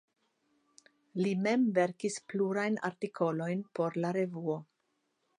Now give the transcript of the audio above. Li mem verkis plurajn artikolojn por la revuo.